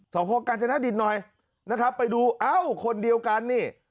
สอบพ่อกาญจนดิตหน่อยนะครับไปดูเอ้าคนเดียวกันนี่